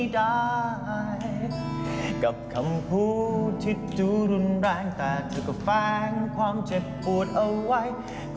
ทุนให้หมาย